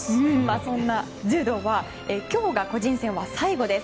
そんな柔道は今日が個人戦は最後です。